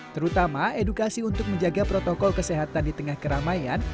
terutama edukasi untuk menjaga protokol kesehatan di tengah keramaian